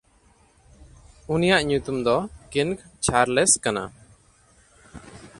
ᱩᱱᱤᱭᱟᱜ ᱧᱩᱛᱩᱢ ᱫᱚ ᱠᱤᱱᱜᱪᱷᱟᱨᱞᱮᱥ ᱠᱟᱱᱟ᱾